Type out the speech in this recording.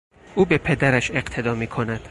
او به پدرش اقتدا میکند.